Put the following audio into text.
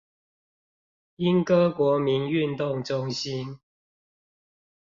鶯歌國民運動中心